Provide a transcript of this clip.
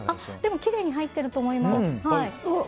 きれいに入っていると思います。